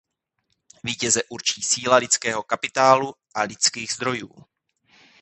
Vítěze určí síla lidského kapitálu a lidských zdrojů.